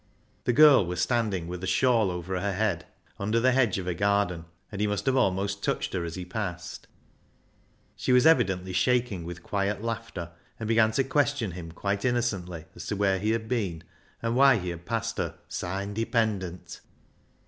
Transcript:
The girl was standing with a shawl over her head, under the hedge of a garden, and he must have almost touched her as he passed. She was evidently shaking with quiet laughter, and began to question him quite innocently as to where he had been, and why he had passed her '■ sa independent."